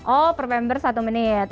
oh per pember satu menit